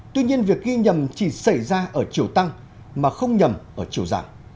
tuy nhiên việc ghi nhầm chỉ xảy ra ở chiều tăng mà không nhầm ở chiều giảm